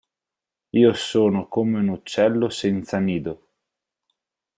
Io sono come un uccello senza nido.